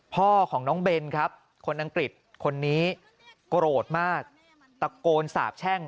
พ่อของน้องเบนครับคนอังกฤษคนนี้โกรธมากตะโกนสาบแช่ง